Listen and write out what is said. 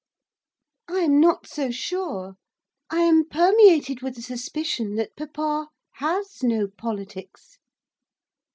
'I am not so sure. I am permeated with a suspicion that papa has no politics.